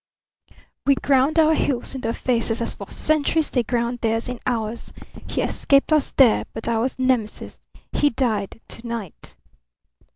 We ground our heels in their faces as for centuries they ground theirs in ours. He escaped us there but I was Nemesis. He died to night."